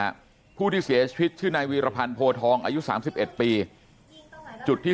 นะฮะผู้ที่เสียชีวิตชื่อนายวีรพันธ์โภธองอายุ๓๑ปีจุดที่